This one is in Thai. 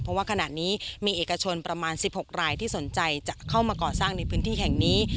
เพราะว่าขณะนี้มีเอกชนประมาณ๑๖รายที่สนใจจะเข้ามาก่อสร้างในพื้นที่แห่งนี้